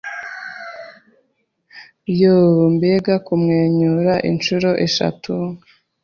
Yoo mbega kumwenyura inshuro eshatu